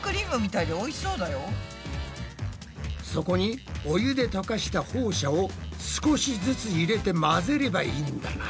そこにお湯で溶かしたホウ砂を少しずつ入れて混ぜればいいんだな。